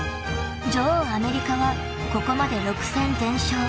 ［女王アメリカはここまで６戦全勝］